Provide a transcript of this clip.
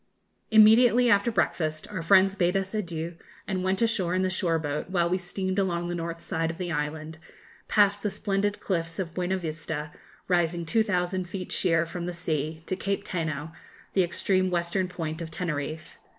Immediately after breakfast, our friends bade us adieu, and went ashore in the shore boat, while we steamed along the north side of the island, past the splendid cliffs of Buenavista, rising 2,000 feet sheer from the sea, to Cape Teno, the extreme western point of Teneriffe.